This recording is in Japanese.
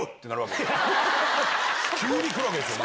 急にくるわけですよね。